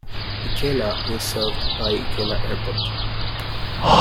Ikela is served by Ikela Airport.